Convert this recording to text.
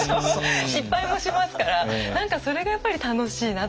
失敗もしますから何かそれがやっぱり楽しいなって思いますね。